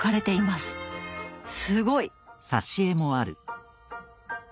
すごい！